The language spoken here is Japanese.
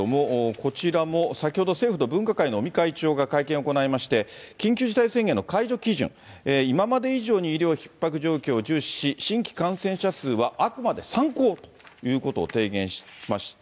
こちらも先ほど、政府の分科会の尾身会長が会見を行いまして、緊急事態宣言の解除基準、今まで以上に医療ひっ迫状況を重視し、新規感染者数はあくまで参考ということを提言しました。